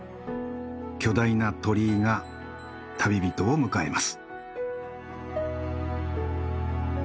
巨大な鳥居が旅人を迎えます。